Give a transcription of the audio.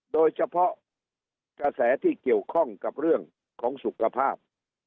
โดยเฉพาะกระแสที่เกี่ยวข้องกับเรื่องของสุขภาพ